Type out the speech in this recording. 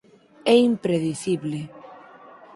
É impredicible.